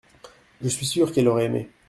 Je suis sûr qu’elle aurait aimé.